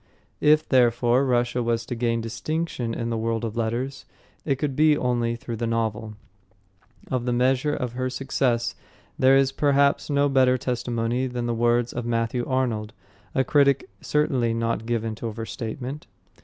If, therefore, Russia was to gain distinction in the world of letters, it could be only through the novel. Of the measure of her success there is perhaps no better testimony than the words of Matthew Arnold, a critic certainly not given to overstatement.